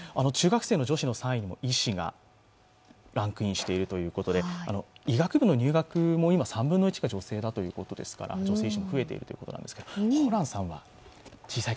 中学生の女子の３位には医師がランクインしているということで、医学部の入学も今、３分の１が女性ということですから女性医師も増えてるということですが、ホランさんは？